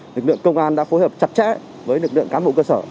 lực lượng công an đã phối hợp chặt chẽ với lực lượng cán bộ cơ sở